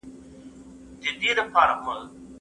څوک د علمي څېړنو لپاره مالي بودیجه برابروي؟